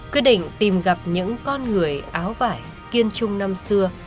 quyết định tìm gặp những con người áo vải kiên trung năm xưa